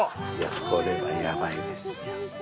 これはヤバいです。